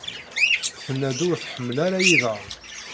Tenna-d ur tḥemmel ara iḍan.